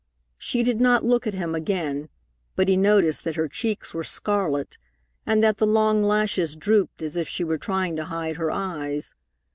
She did not look at him again, but he noticed that her cheeks were scarlet, and that the long lashes drooped as if she were trying to hide her eyes.